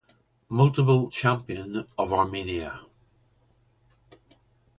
Multiple champion of Armenia.